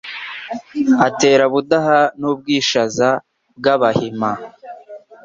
atera Budaha n'u Bwishaza bw'Abahima